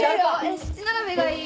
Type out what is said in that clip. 七並べがいい。